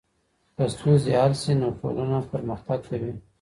که ستونزې حل سي، نو ټولنه پرمختګ کوي.